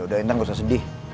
yaudah intan gak usah sedih